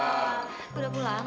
aku udah pulang